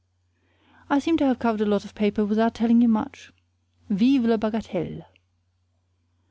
I seem to have covered a lot of paper without telling you much. VIVE LA BAGATELLE!